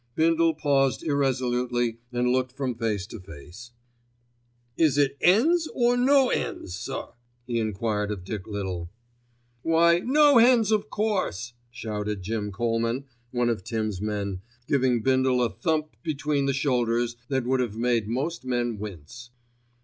Bindle paused irresolutely and looked from face to face. "Is it 'ens or no 'ens, sir?" he enquired of Dick Little. "Why, no hens, of course," shouted Jim Colman, one of Tim's men, giving Bindle a thump between the shoulders that would have made most men wince.